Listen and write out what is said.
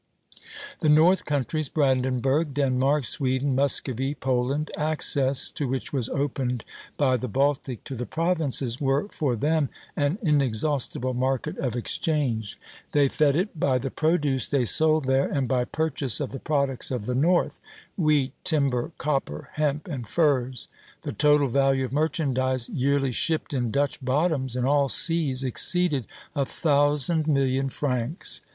The north countries, Brandenburg, Denmark, Sweden, Muscovy, Poland, access to which was opened by the Baltic to the Provinces, were for them an inexhaustible market of exchange. They fed it by the produce they sold there, and by purchase of the products of the North, wheat, timber, copper, hemp, and furs. The total value of merchandise yearly shipped in Dutch bottoms, in all seas, exceeded a thousand million francs.